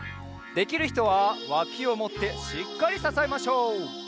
できるひとはわきをもってしっかりささえましょう。